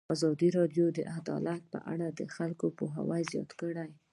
ازادي راډیو د عدالت په اړه د خلکو پوهاوی زیات کړی.